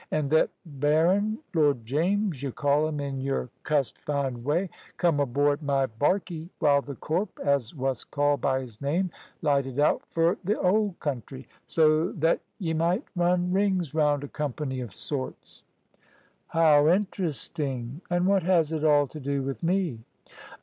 An' thet Berrin' Lord James, y' call him in your cussed fine way come aboard my barkey, while the corp as wos called by his name lighted out fur th' old country, so thet y' might run rings round a company of sorts." "How interesting! And what has it all to do with me?"